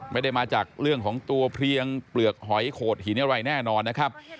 ไม่ได้มาจากเรื่องของตัวเพลียงเปลือกหอยโขดหินอะไรแน่นอนนะครับ